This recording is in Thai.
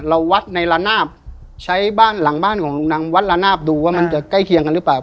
วัดในละนาบใช้บ้านหลังบ้านของลุงนางวัดละนาบดูว่ามันจะใกล้เคียงกันหรือเปล่า